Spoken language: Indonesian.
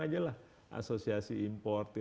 ajalah asosiasi import